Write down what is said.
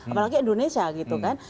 apalagi indonesia gitu kan